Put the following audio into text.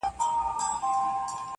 څه به کوو؟!